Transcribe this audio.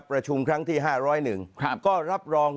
ประชุมครั้งที่๕๐๑ก็รับรอง